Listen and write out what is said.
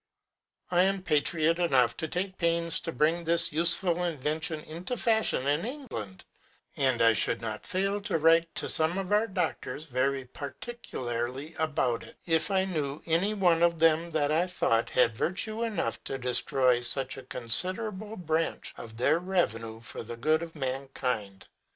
I am patriot enough to take pains to bring this useful inven tion into fashion in England ; and I should not fail to write to some of our doctors very particularly about it, if I knew any one of them that I thought had virtue enough to destroy such a considerable branch of their revenue for the good to man kind.